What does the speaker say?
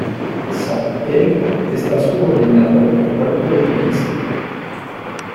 Sar-El está subordinado al Cuerpo de Logística.